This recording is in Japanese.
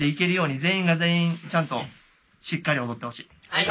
はい！